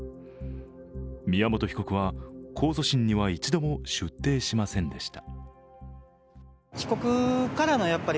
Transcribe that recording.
宮本被告は控訴審には一度も出廷しませんでした。